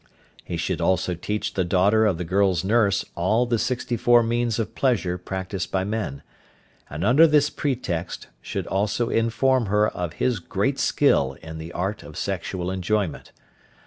He should also teach the daughter of the girl's nurse all the sixty four means of pleasure practised by men, and under this pretext should also inform her of his great skill in the art of sexual enjoyment.